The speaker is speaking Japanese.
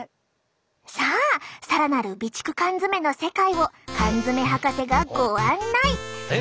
さあ更なる備蓄缶詰の世界を缶詰博士がご案内！